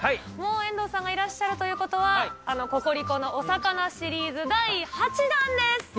もう遠藤さんがいらっしゃるということは、ココリコのお魚シリーズ第８弾です。